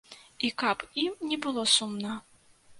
І каб ім не было сумна.